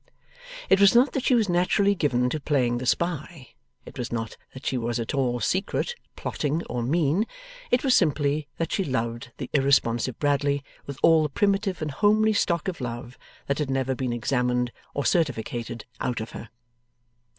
It was not that she was naturally given to playing the spy it was not that she was at all secret, plotting, or mean it was simply that she loved the irresponsive Bradley with all the primitive and homely stock of love that had never been examined or certificated out of her.